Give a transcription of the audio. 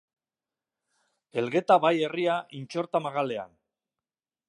Elgeta bai herria Intxorta magalean.